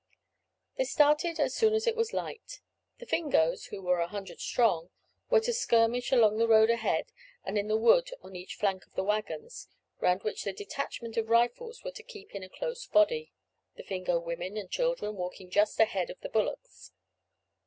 They started as soon as it was light. The Fingoes, who were a hundred strong, were to skirmish along the road ahead and in the wood on each flank of the waggons, round which the detachment of Rifles were to keep in a close body, the Fingo women and children walking just ahead of the bullocks.